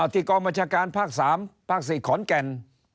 ที่กองบัญชาการภาค๓ภาค๔ขอนแก่น